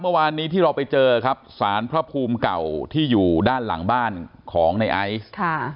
เมื่อวานนี้ที่เราไปเจอครับสารพระภูมิเก่าที่อยู่ด้านหลังบ้านของในไอซ์ค่ะ